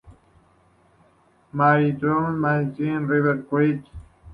Mary River, Two Medicine River, Milk River, Birch Creek y Cut Bank Creek.